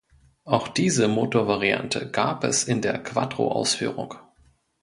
Auch diese Motorvariante gab es in der Quattro-Ausführung.